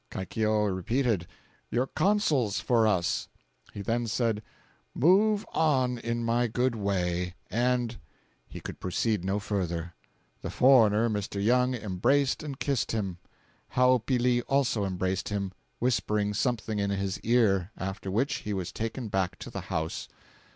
Kaikioewa repeated, 'Your counsels for us.' "He then said, 'Move on in my good way and—.' He could proceed no further. The foreigner, Mr. Young, embraced and kissed him. Hoapili also embraced him, whispering something in his ear, after which he was taken back to the house.